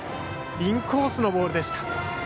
インコースのボールでした。